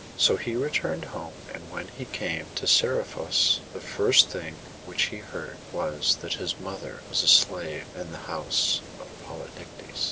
So he returned home; and when he came to Seriphos, the first thing which he heard was that his mother was a slave in the house of Polydectes.